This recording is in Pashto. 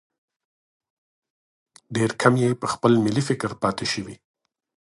ډېر کم یې پر خپل ملي فکر پاتې شوي.